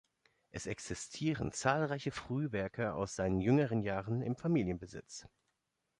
Es existieren zahlreiche Frühwerke aus seinen jüngeren Jahren im Familienbesitz.